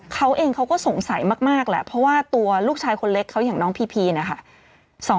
เขาเองเขาก็สงสัยมากแหละเพราะว่าตัวลูกชายคนเล็กเขาอย่างน้องพีพีนะคะ